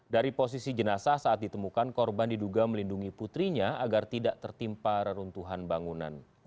dari posisi jenazah saat ditemukan korban diduga melindungi putrinya agar tidak tertimpa reruntuhan bangunan